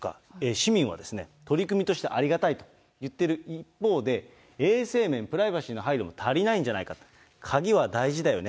市民はですね、取り組みとしてはありがたいと言っている一方で、衛生面、プライバシーの配慮が足りないんじゃないかと、鍵は大事だよね。